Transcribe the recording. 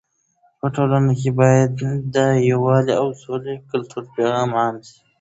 په ټولنه کې باید د یووالي او سولې ګټور پیغام عام سي.